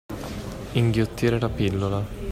Inghiottire la pillola.